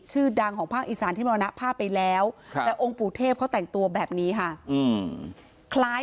ชื่อดังของภาคอีสานที่มรณภาพไปแล้วแต่องค์ปู่เทพเขาแต่งตัวแบบนี้ค่ะคล้าย